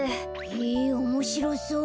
へぇおもしろそう。